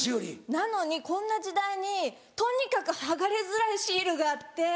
なのにこんな時代にとにかく剥がれづらいシールがあって。